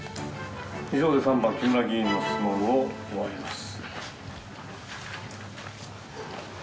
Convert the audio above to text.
以上で３番木村議員の質問を終わります。